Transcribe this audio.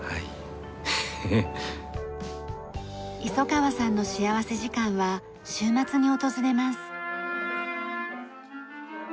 礒川さんの幸福時間は週末に訪れます。